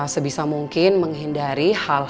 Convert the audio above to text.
sebisa mungkin menghindari hal hal yang terjadi